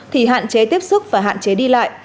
thì hạn chế tiếp xúc và hạn chế đi lại